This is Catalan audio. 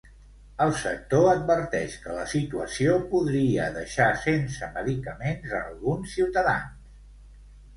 El sector adverteix que la situació podria deixar sense medicaments a alguns ciutadans.